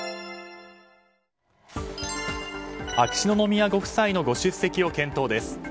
秋篠宮ご夫妻のご出席を検討です。